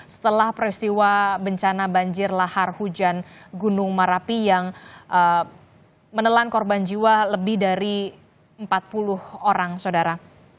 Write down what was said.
setelah peristiwa bencana banjir lahar hujan gunung merapi yang menelan korban jiwa lebih dari empat puluh orang saudara